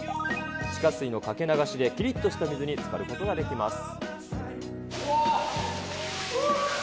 地下水のかけ流しできりっとした水につかることができます。